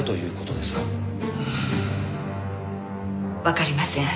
わかりません。